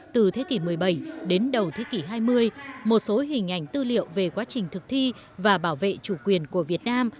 từ thế kỷ một mươi bảy đến đầu thế kỷ hai mươi một số hình ảnh tư liệu về quá trình thực thi và bảo vệ chủ quyền của việt nam